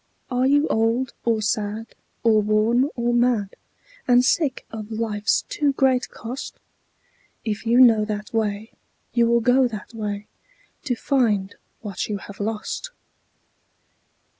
Are you old or sad or worn or mad, And sick of life's too great cost? If you know that way, you will go that way, To find what you have lost.